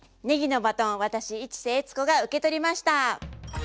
ねぎのバトン私市瀬悦子が受け取りました！